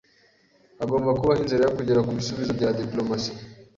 Hagomba kubaho inzira yo kugera kubisubizo bya diplomasi.